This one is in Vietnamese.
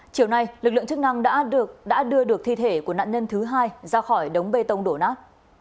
chiều nay lực lượng chức năng đã đưa được thi thể của nạn nhân thứ hai ra khỏi đống bê tông đổ nát